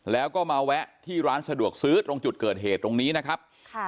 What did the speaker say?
แล้วก็มาแวะที่ร้านสะดวกซื้อตรงจุดเกิดเหตุตรงนี้นะครับ